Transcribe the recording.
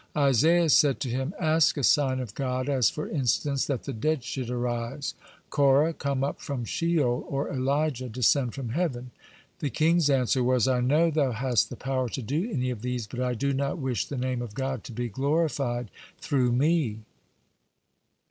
Isaiah said to him: "Ask a sign of God, as, for instance, that the dead should arise, Korah come up from Sheol, or Elijah descend from heaven." The king's answer was: "I know thou hast the power to do any of these, but I do not wish the Name of God to be glorified through me."